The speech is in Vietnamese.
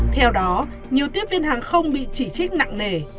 theo đó nhiều tiếp viên hàng không bị chỉ trích nặng nề